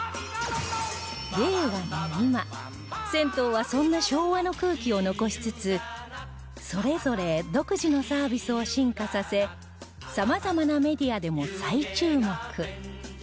令和の今銭湯はそんな昭和の空気を残しつつそれぞれ独自のサービスを進化させさまざまなメディアでも再注目